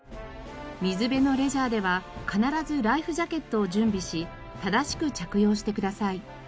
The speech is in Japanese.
水辺のレジャーでは必ずライフジャケットを準備し正しく着用してください。